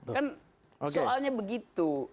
kan soalnya begitu